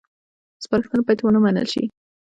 سپارښتنه باید ونه منل شي